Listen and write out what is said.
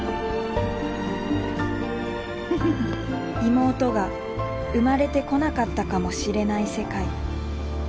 妹が生まれてこなかったかもしれない世界。